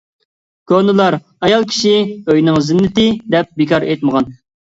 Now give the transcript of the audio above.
كونىلار: ئايال كىشى ئۆينىڭ زىننىتى دەپ بىكار ئېيتمىغان.